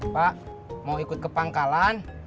pak mau ikut ke pangkalan